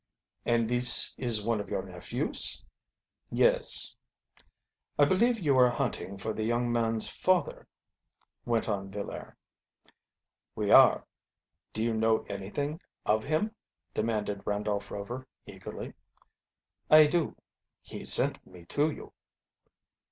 "And this is one of your nephews?" "Yes." "I believe you are hunting for the young man's father?" went on Villaire. "We are. Do you know anything of him?" demanded Randolph Rover eagerly. "I do. He sent me to you."